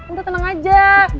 lo tenang aja